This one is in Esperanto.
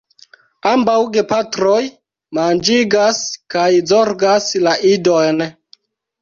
Ambaŭ gepatroj manĝigas kaj zorgas la idojn.